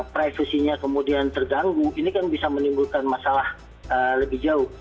privasinya kemudian terganggu ini kan bisa menimbulkan masalah lebih jauh